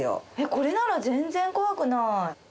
これなら全然怖くない。